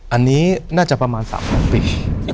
อันนี้น่าจะประมาณ๓๐๐ปี